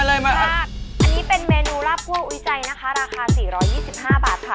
อันนี้เป็นเมนูลาบคั่ววิจัยนะคะราคา๔๒๕บาทค่ะ